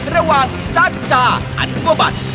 ระหว่างจ้าก่ามันกวบัช